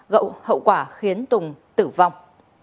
gậu hậu quả khiến tùng tử vong